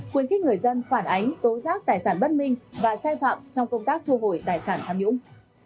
quyền kích người dân phản ánh tối giác tài sản bất minh và sai phạm trong công tác thu hồi tài sản tham nhũng